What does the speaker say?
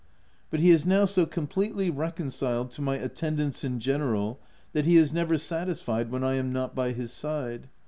But he is now so completely reconciled to my attendance in general that he is never satisfied when I am not by his side.